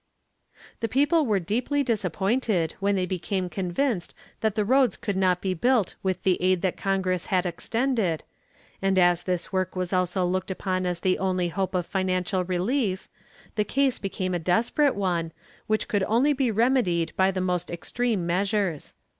The people were deeply disappointed when they became convinced that the roads could not be built with the aid that congress had extended, and as this work was also looked upon as the only hope of financial relief, the case became a desperate one, which could only be remedied by the most extreme measures.